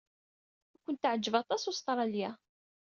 Ad kent-teɛjeb aṭas Ustṛalya.